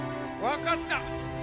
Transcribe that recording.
分かった！